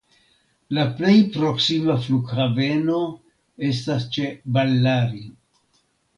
La plej proksima flughaveno estas ĉe Ballari.